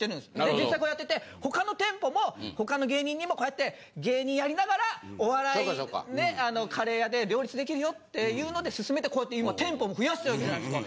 実際こうやってて他の店舗も他の芸人にもこうやって芸人やりながらお笑いカレー屋で両立できるよっていうので勧めてこうやって今店舗も増やしてる訳じゃないですか。